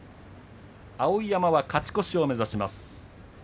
碧山は勝ち越しを目指します。